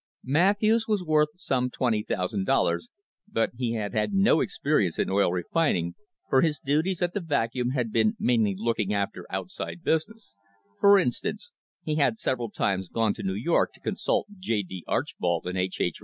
Matthews was worth some $20,000, but he had had no experience in oil refining, for his duties at the Vacuum had been mainly looking after outside business for instance, he had several times gone to New York to consult J. D. Archbold and H. H.